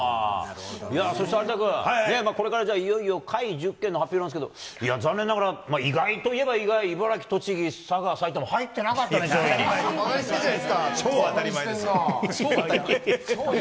そして有田君、これからじゃあ、いよいよ、下位１０県の発表なんですけど、いや、残念ながら、意外といえば意外、茨城、栃木、佐賀、埼玉、入ってなかったね、上位に。